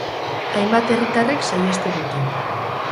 Hainbat herritarrek saihestu dute.